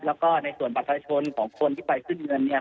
แล้วก็ในส่วนบัตรประชาชนของคนที่ไปขึ้นเงินเนี่ย